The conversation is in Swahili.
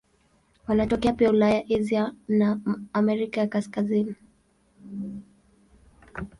Wanatokea pia Ulaya, Asia na Amerika ya Kaskazini.